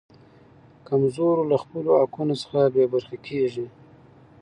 کمزورو له خپلو حقونو څخه بې برخې کیږي.